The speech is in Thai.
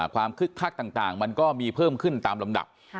คึกคักต่างมันก็มีเพิ่มขึ้นตามลำดับ